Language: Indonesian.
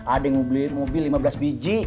ada yang mau beli mobil lima belas biji